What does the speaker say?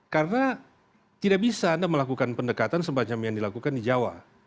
karena tidak bisa anda melakukan pendekatan sebagian yang dilakukan di jawa